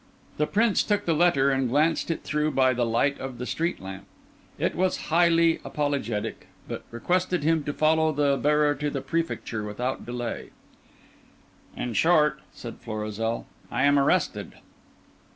The Prince took the letter and glanced it through by the light of the street lamp. It was highly apologetic, but requested him to follow the bearer to the Prefecture without delay. "In short," said Florizel, "I am arrested."